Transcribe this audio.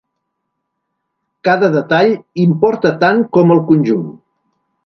Cada detall importa tant com el conjunt.